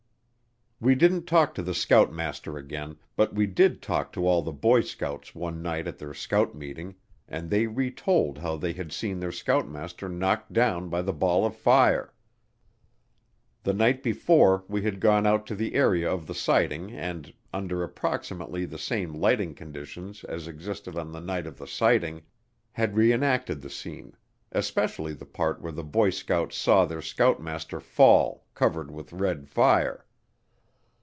We didn't talk to the scoutmaster again but we did talk to all the boy scouts one night at their scout meeting, and they retold how they had seen their scoutmaster knocked down by the ball of fire. The night before, we had gone out to the area of the sighting and, under approximately the same lighting conditions as existed on the night of the sighting, had re enacted the scene especially the part where the boy scouts saw their scoutmaster fall, covered with red fire.